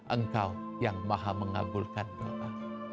engkau yang maha mengabulkan doa